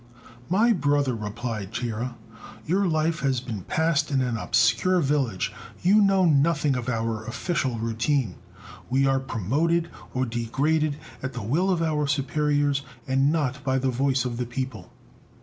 "My brother," replied Chia, "your life has been passed in an obscure village; you know nothing of our official routine. We are promoted or degraded at the will of our superiors, and not by the voice of the people.